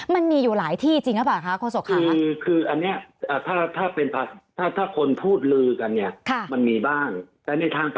มันมีอยู่หลายที่จริง